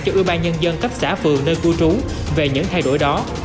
cho ủy ban nhân dân cấp xã phường nơi cư trú về những thay đổi đó